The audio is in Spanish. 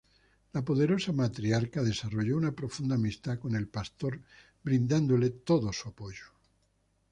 La poderosa matriarca desarrolló una profunda amistad con el pastor brindándole todo su apoyo.